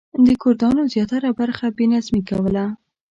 د کردانو زیاتره برخه بې نظمي کوله.